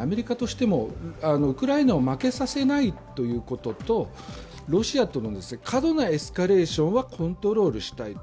アメリカとしても、ウクライナを負けさせないということとロシアとの過度なエスカレーションはコントロールしたい